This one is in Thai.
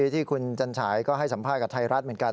ที่คุณจันฉายก็ให้สัมภาษณ์กับไทยรัฐเหมือนกัน